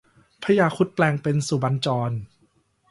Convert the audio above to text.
พญาครุฑแปลงเป็นสุบรรณจร